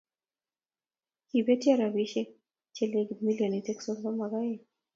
Kibetyo robishe che legit milionit sosom ak oeng.